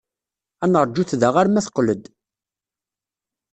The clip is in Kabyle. Ad neṛjut da arma teqqel-d.